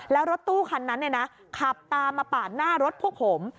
แล้วรถตู้คันนั้นขับตามมาปาดหน้ารถพวกผม